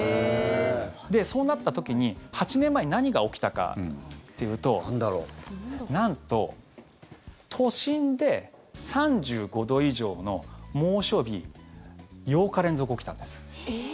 そうなった時に８年前に何が起きたかっていうとなんと、都心で３５度以上の猛暑日８日連続起きたんです。